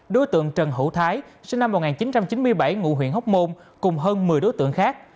đối tượng trần hữu thái sinh năm một nghìn chín trăm chín mươi bảy ngụ huyện hóc môn cùng hơn một mươi đối tượng khác